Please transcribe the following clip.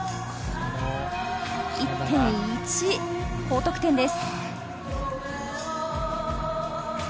１．１高得点です。